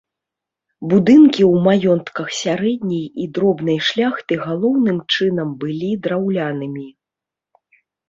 Будынкі ў маёнтках сярэдняй і дробнай шляхты галоўным чынам былі драўлянымі.